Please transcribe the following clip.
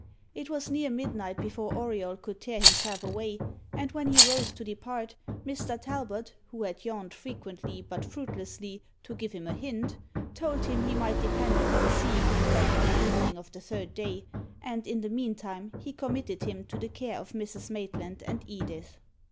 It was near midnight before Auriol could tear himself away; and when he rose to depart, Mr. Talbot, who had yawned frequently, but fruitlessly, to give him a hint, told him he might depend upon seeing him back on the evening of the third day, and in the meantime he committed him to the care of Mrs. Maitland and Edith.